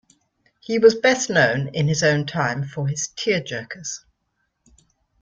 He was best known in his own time for his "tear-jerkers".